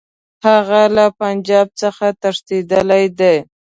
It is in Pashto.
هغه له پنجاب څخه تښتېدلی دی.